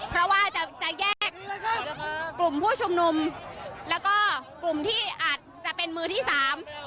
เพราะว่าจะจะแยกกลุ่มผู้ชุมนุมแล้วก็กลุ่มที่อาจจะเป็นมือที่สาม